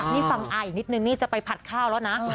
นี่ฟังอาอีกนิดนึงนี่จะไปผัดข้าวแล้วนะ